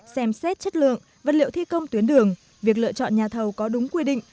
xem xét chất lượng vật liệu thi công tuyến đường việc lựa chọn nhà thầu có đúng quy định